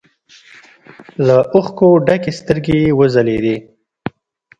له اوښکو ډکې سترګې يې وځلېدې.